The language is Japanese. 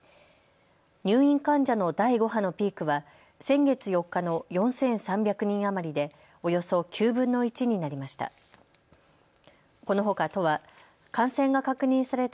入院患者の第５波のピークは先月４日の４３００人余りでおよそ９分の１になりました。